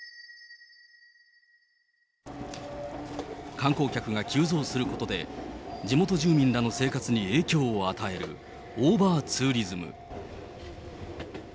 観光客が急増することで、地元住民らの生活に影響を与える、オーバーツーリズム。